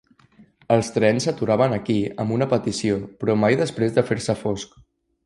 Els trens s'aturaven aquí amb una petició, però mai després de fer-se fosc.